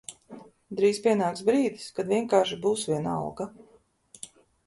Drīz pienāks brīdis, kad vienkārši būs vienalga.